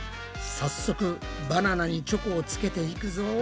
早速バナナにチョコをつけていくぞ。